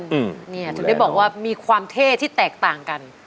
เนี่ยถึงได้บอกว่ามีความเท่ที่แตกต่างกัน